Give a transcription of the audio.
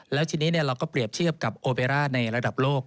แล้วทีนี้เราก็เปรียบเทียบกับโอเบร่าในระดับโลก